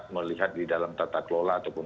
melihat di dalam tata kelola ataupun